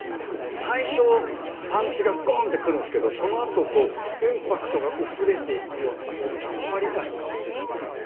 最初パンチがごんって来るんすけどその後こうインパクトが薄れていくようなさっぱり感に変わっていくっていうんですかね。